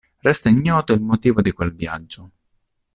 Resta ignoto il motivo di quel viaggio.